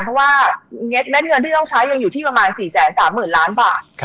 เพราะว่าเม็ดเงินที่ต้องใช้ยังอยู่ที่ประมาณ๔๓๐๐๐ล้านบาท